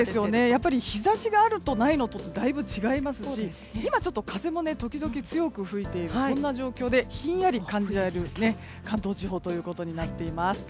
やっぱり日差しがあるのとないのとではだいぶ違いますし今、風も時々強く吹いているそんな状況でひんやり感じられる関東地方となっています。